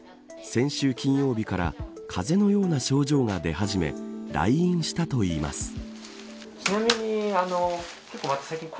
先週金曜日から風邪のような症状が出始め来院したといいます。